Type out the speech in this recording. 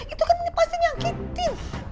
itu kan pasti nyangkitin